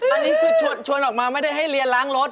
อันนี้คือชวนออกมาไม่ได้ให้เรียนล้างรถ